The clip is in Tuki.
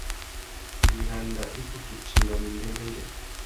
Wiranda i kutu timba mí ndêndêngüê.